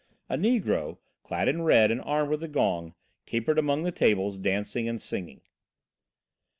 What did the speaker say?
A negro, clad in red and armed with a gong, capered among the tables, dancing and singing.